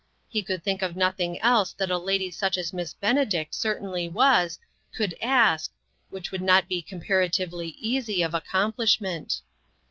He could think of nothing else that a lady such as Miss Benedict certainly was, could ask, which would not be comparatively easy of accomplishment.